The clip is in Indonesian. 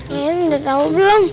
nih udah tau belum